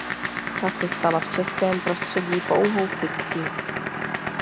Ta se stala v českém prostředí pouhou fikcí.